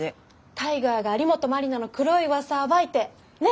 タイガーが有本マリナの黒いうわさを暴いてねっ？